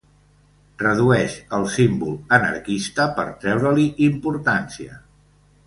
Redueix el símbol anarquista per treure-li importància.